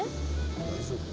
大丈夫？